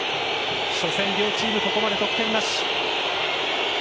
初戦、両チームここまで得点なし。